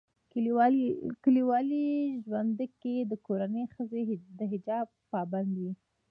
کلیوالي ژوندکي دکورنۍښځي دحجاب پابند وي